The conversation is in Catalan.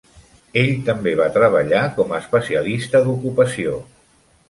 Ell també va treballar com a especialista d'ocupació.